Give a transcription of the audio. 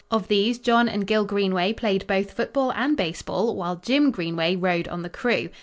Of these, John and Gil Greenway played both football and baseball while Jim Greenway rowed on the crew.